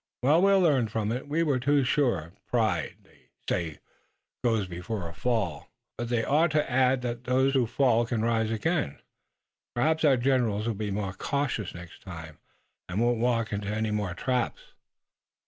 "Well, we'll learn from it. We were too sure. Pride, they say, goes before a fall, but they ought to add that those who fall can rise again. Perhaps our generals will be more cautious next time, and won't walk into any more traps.